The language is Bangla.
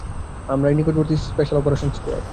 আমরাই নিকটবর্তী স্পেশাল অপারেশন স্কোয়াড।